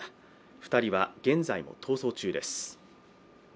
２人は現在も逃走中です。